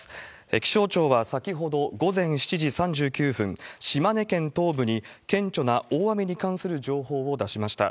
気象庁は先ほど、午前７時３９分、島根県東部に顕著な大雨に関する情報を出しました。